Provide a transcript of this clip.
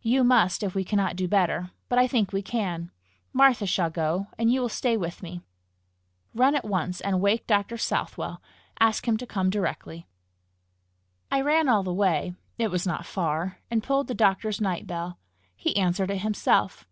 "You must, if we cannot do better. But I think we can. Martha shall go, and you will stay with me. Run at once and wake Dr. Southwell. Ask him to come directly." I ran all the way it was not far and pulled the doctor's night bell. He answered it himself.